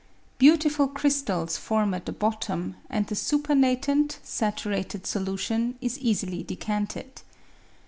Beautiful crystals form at the bottom, and the supernatant, saturated solution is easily decanted.